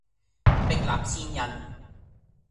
壁立千仞